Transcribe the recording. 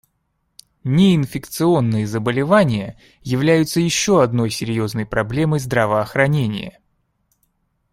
Неинфекционные заболевания являются еще одной серьезной проблемой здравоохранения.